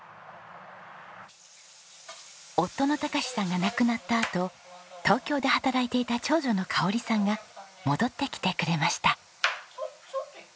夫の孝さんが亡くなったあと東京で働いていた長女のかおりさんが戻ってきてくれました。